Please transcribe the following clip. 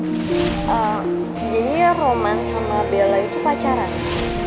jadi ya roman sama bella itu pacaran